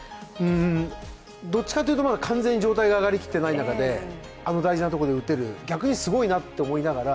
どっちかっていうと完全に状態が上がりきっていない中であの大事なところで打てる、逆にすごいなと思いながら。